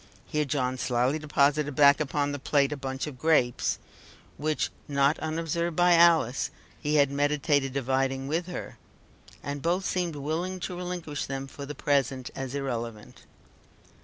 Here John slyly deposited back upon the plate a bunch of grapes, which, not unobserved by Alice, he had meditated dividing with her, and both seemed willing to relinquish them for the present as irrelevant.